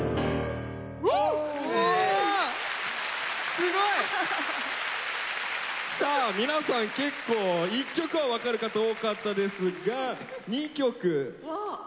すごい！さあ皆さん結構１曲は分かる方多かったですが。